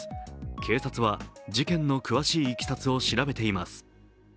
警察は事件の詳しいいきさつを調べています。